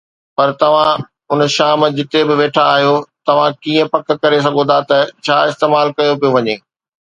پر توهان ان شام جتي به ويٺا آهيو، توهان ڪيئن پڪ ڪري سگهو ٿا ته ڇا استعمال ڪيو پيو وڃي؟